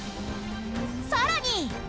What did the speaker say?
さらに。